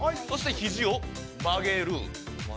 そして肘を曲げる。